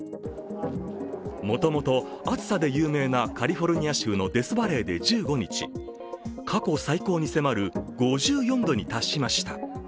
もともと暑さで有名なカリフォルニア州のデスバレーで１５日、過去最高に迫る５４度に達しました。